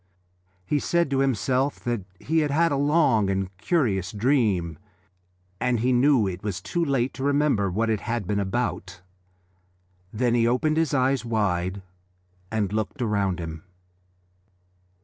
He said to himself that he had had a long and curious dream, and he knew that it was too late to remember what it had been about. Then he opened his eyes wide and looked round him.